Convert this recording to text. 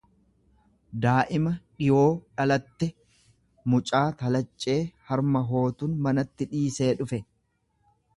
daa'ima dhiwoo dhalatte; Mucaa talaccee harma hootun manatti dhiisee dhufe.